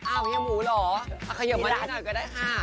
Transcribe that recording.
เฮียหมูเหรอขยบมานิดหน่อยก็ได้ค่ะ